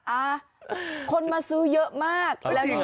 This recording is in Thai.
โอ้คนมาซื้อเยอะมาก